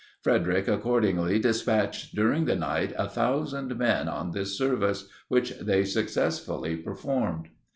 Frederic accordingly despatched during the night 1000 men on this service, which they successfully performed.